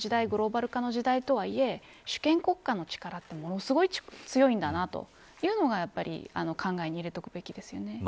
グローバル化の時代とはいえ主権国家の力はものすごい強いというのをやはり考えに入れておくべきですよね。